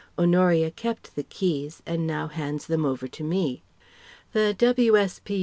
Honoria kept the keys and now hands them over to me. The W.S.P.